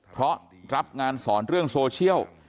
เพราะรับงานสอนเรื่องโซเชียล